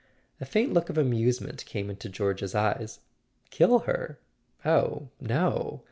A faint look of amusement came into George's eyes. "Kill her? Oh, no.